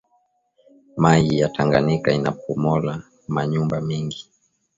Mayi ya tanganika inapomola ma nyumba mingi